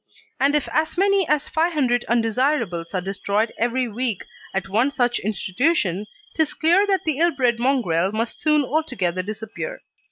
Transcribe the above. And if as many as 500 undesirables are destroyed every week at one such institution, 'tis clear that the ill bred mongrel must soon altogether disappear.